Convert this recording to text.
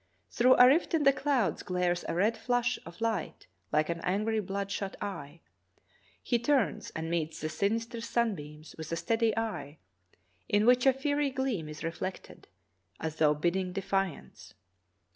Through a rift in the clouds glares a red flash of light, like an angry, blood shot eye. He turns and meets the sinister sunbeams with a steady eye, in which a fiery gleam is reflected, as though bidding defiance.